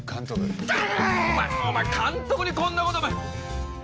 お前お前監督にこんな事お前。